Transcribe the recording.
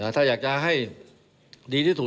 ถ้าอยากจะให้ดีที่สุด